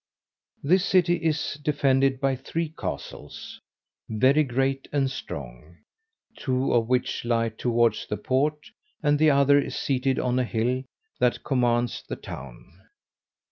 This city is defended by three castles, very great and strong, two of which lie towards the port, and the other is seated on a hill that commands the town.